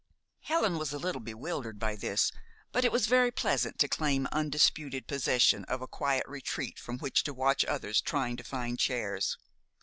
Helen was a little bewildered by this; but it was very pleasant to claim undisputed possession of a quiet retreat from which to watch others trying to find chairs.